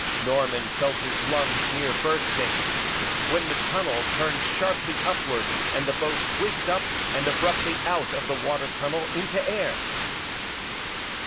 Norman felt his lungs near bursting when the tunnel turned sharply upward and the boats whizzed up and abruptly out of the water tunnel into air!